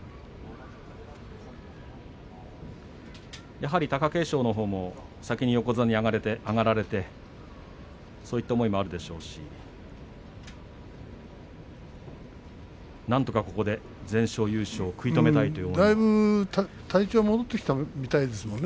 やはり貴景勝のほうも先に横綱に上がられてそういった思いもあるでしょうしなんとか、ここで全勝優勝を食い止めたいところですね。